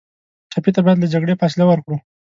ټپي ته باید له جګړې فاصله ورکړو.